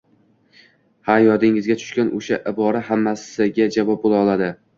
Ha, yodingizga tushgan o`sha ibora hammasiga javob bo`la oladi